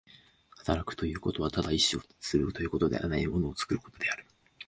働くということはただ意志するということではない、物を作ることである。